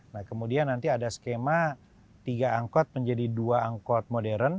nah kemudian nanti ada skema tiga angkot menjadi dua angkot modern